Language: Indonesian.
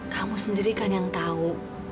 kamu sendiri kan yang tahu